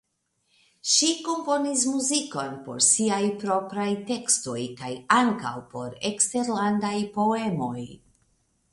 Ŝi komponis muzikon por siaj propraj tekstoj kaj ankaŭ por eksterlandaj poemoj.